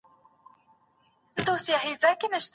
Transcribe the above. اقتصاد یوازي د اجناسو تولید نه دی.